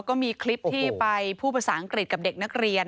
ก็มีคลิปที่ไปพูดภาษาอังกฤษกับเด็กนักเรียน